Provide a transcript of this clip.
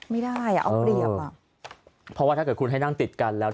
ไม่ได้อ่ะเอาเปรียบอ่ะเพราะว่าถ้าเกิดคุณให้นั่งติดกันแล้ว